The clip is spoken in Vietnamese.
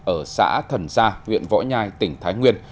ở xã thần gia huyện võ nhai tỉnh thái nguyên